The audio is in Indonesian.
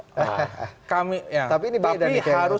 tapi ini baik dari saya untuk hal ini